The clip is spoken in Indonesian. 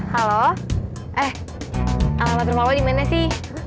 halo eh alamat rumah lo dimana sih